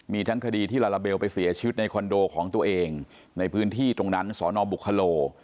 มีทั้งคดีที่ลาลาเบลไปเสียชีวิตในคอนโดของตัวเองในพื้นที่ตรงนั้นสอนอบุคโล